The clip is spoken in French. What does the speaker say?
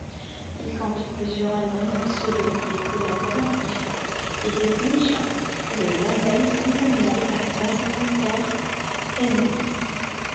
Il compte plusieurs albums solo et collaboratifs, et dirige le label Internal Affairs Entertainment.